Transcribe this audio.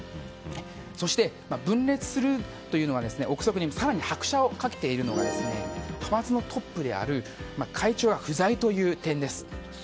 そして、分裂するという憶測に更に拍車を掛けているのが派閥のトップである会長が不在という点です。